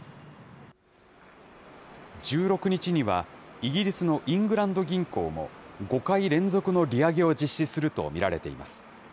１６日にはイギリスのイングランド銀行も、５回連続の利上げを実施すると見られています。